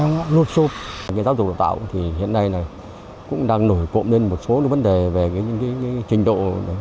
giáo dục lập tạo thì hiện nay cũng đang nổi cộng lên một số vấn đề về trình độ